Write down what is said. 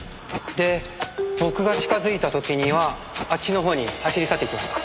で僕が近づいた時にはあっちの方に走り去っていきました。